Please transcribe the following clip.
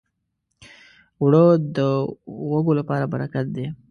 اوړه د وږو لپاره برکت دی